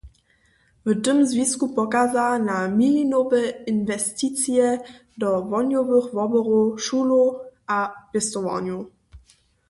W tym zwisku pokaza na milionowe inwesticije do wohnjowych woborow, šulow a pěstowarnjow.